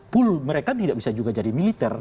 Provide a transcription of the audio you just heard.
pul mereka juga tidak bisa jadi militer